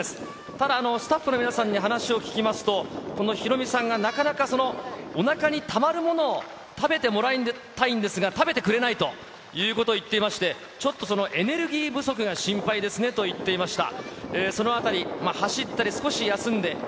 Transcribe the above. ただ、スタッフの皆さんに話を聞きますと、このヒロミさんがなかなかその、おなかにたまるものを食べてもらいたいんですが、食べてくれないということを言っていまして、ちょっとエネルギー不足が心配ですねと言っていました。